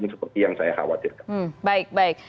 seperti yang saya khawatirkan